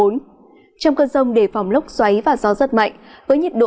trong cơn rông đề phòng lốc xoáy và gió rất mạnh với nhiệt độ từ hai mươi bốn ba mươi độ